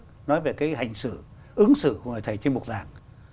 nó nói về cái hành xử ứng xử của người thầy trên mục đảng